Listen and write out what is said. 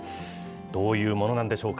どういうものなんでしょうか。